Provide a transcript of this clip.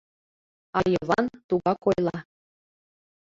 А Йыван тугак ойла.